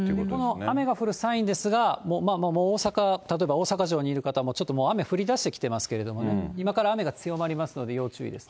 この雨が降るサインですが、もう大阪、例えば大阪城にいる方も、ちょっともう、雨が降りだしてきていますけれどもね、今から雨が強まりますので、要注意です。